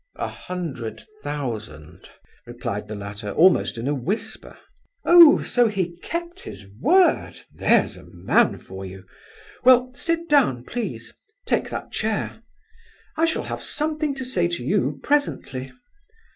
"A hundred thousand," replied the latter, almost in a whisper. "Oh! so he kept his word—there's a man for you! Well, sit down, please—take that chair. I shall have something to say to you presently.